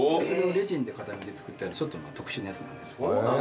レジンで固めて作ってあるちょっと特殊なやつなんです。